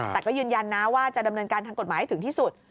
แต่ก็ยืนยันนะว่าจะดำเนินการทางกฎหมายให้ถึงที่สุด